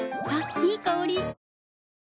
いい香り。